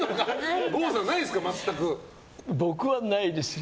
僕はないですね。